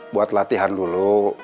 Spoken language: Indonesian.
buat latihan dulu